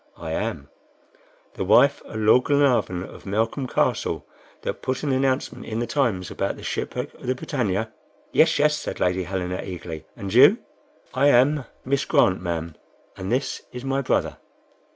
"I am." "The wife of Lord Glenarvan, of Malcolm Castle, that put an announcement in the TIMES about the shipwreck of the BRITANNIA?" "Yes, yes," said Lady Helena, eagerly; "and you?" "I am Miss Grant, ma'am, and this is my brother."